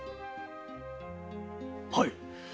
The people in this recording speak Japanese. はい。